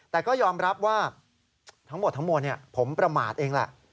แต่ก็ยอมรับว่าทั้งหมดทั้งมวลผมประมาทเองแหละ